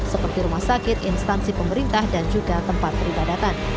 seperti rumah sakit instansi pemerintah dan juga tempat peribadatan